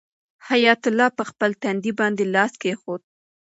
حیات الله په خپل تندي باندې لاس کېښود.